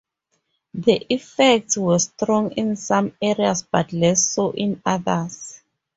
The effects were strong in some areas but less so in others.